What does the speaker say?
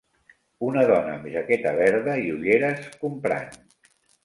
Una dona amb jaqueta verda i ulleres comprant.